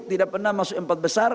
tidak pernah masuk empat besar